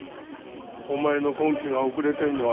お前の婚期が遅れてるのは。